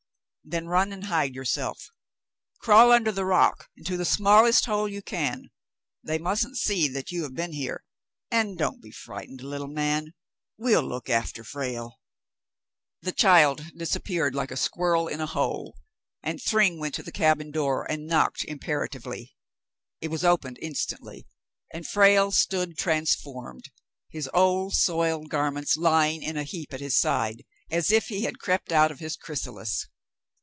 "Then run and hide yourself. Crawl under the rock — into the smallest hole you can. They mustn't see that you have been here, and don't be frightened, little man. We'll look after Frale." David aids Frale to Escape 61 The child disappeared like a squirrel in a hole, and Thryng went to the cabin door and knocked imperatively. It was opened instantly, and Frale stood transformed, his old, soiled garments lying in a heap at his side as if he had crept out of his chrysalis.